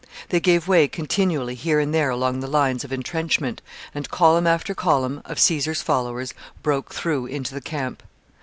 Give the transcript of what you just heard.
They gave way continually here and there along the lines of intrenchment, and column after column of Caesar's followers broke through into the camp.